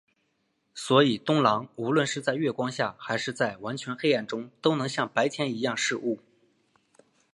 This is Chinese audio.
所以冬狼无论是在月光下还是在完全黑暗中都能像白天一样视物。